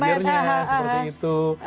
behaviornya seperti itu